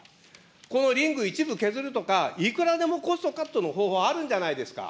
このリング、一部削るとか、いくらでもコストカットの方法、あるんじゃないですか。